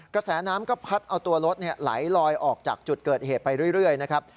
กระแสน้ำก็พัดเอาตัวรถไหลลอยออกจากจุดเกิดเหตุไปเรื่อยนะครับ